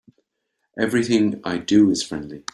Everything I do is friendly.